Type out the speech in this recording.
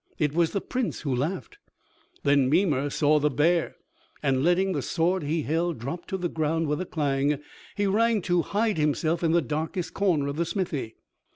It was the Prince who laughed. Then Mimer saw the bear, and letting the sword he held drop to the ground with a clang, he ran to hide himself in the darkest corner of the smithy.